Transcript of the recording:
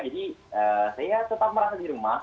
jadi saya tetap merasa di rumah